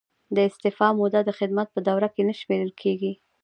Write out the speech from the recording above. د استعفا موده د خدمت په دوره کې نه شمیرل کیږي.